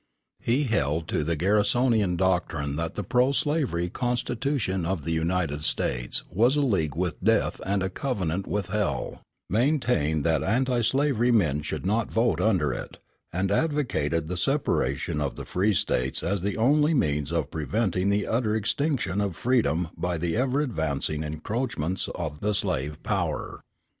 He held to the Garrisonian doctrine that the pro slavery Constitution of the United States was a "league with death and a covenant with hell," maintained that anti slavery men should not vote under it, and advocated the separation of the free States as the only means of preventing the utter extinction of freedom by the ever advancing encroachments of the slave power.